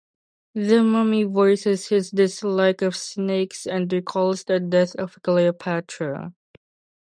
The mummy voices his dislike of snakes and recalls the death of Cleopatra.